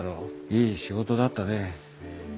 いい仕事だったね。